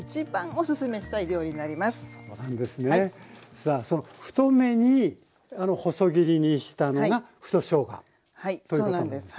さあその太めに細切りにしたのが太しょうがということなんですね。